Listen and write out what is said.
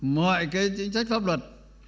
mọi cái chính sách pháp luật